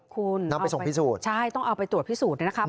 คุณนำไปส่งพิสูจน์ใช่ต้องเอาไปตรวจพิสูจน์นะครับ